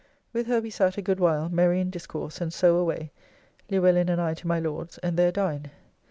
With her we sat a good while, merry in discourse, and so away, Luellin and I to my Lord's, and there dined.